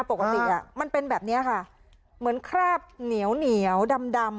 ปกติอ่ะมันเป็นแบบนี้ค่ะเหมือนคราบเหนียวดำดำ